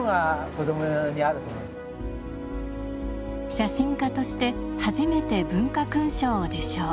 写真家として初めて文化勲章を受章。